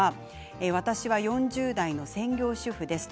私は４０代の専業主婦です。